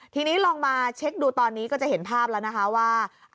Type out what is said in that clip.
ทีนี้ลองมาเช็คดูตอนนี้ก็จะเห็นภาพแล้วนะคะว่า